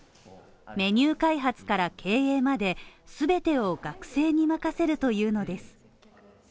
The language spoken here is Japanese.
メニュー開発から経営まで全てを学生に任せるというのです。